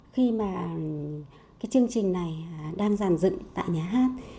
khi mà cái chương trình này đang giàn dựng tại nhà hát